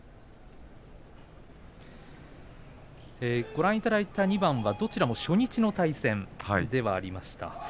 ご覧いただいた２番はどちらも初日の対戦ではありました。